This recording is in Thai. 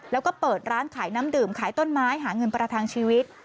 แล้วก็เปิดร้านขายน้ำดื่มขายต้นไม้หาเงินประทังชีวิต